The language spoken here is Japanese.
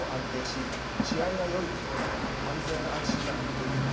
安全安心な国といえます。